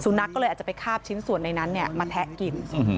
นักก็เลยอาจจะไปคาบชิ้นส่วนในนั้นมาแทะกิน